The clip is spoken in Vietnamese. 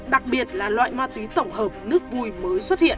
đặc biệt là loại ma túy tổng hợp nước vui mới xuất hiện